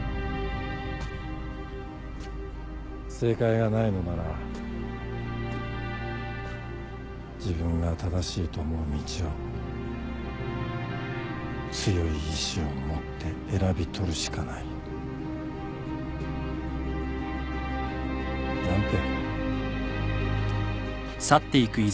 正解がないのなら自分が正しいと思う道を強い意志を持って選びとるしかない。なんて。